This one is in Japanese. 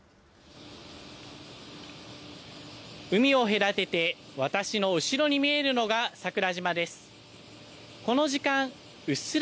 海を隔てて、私の後ろに見えるのが桜島です。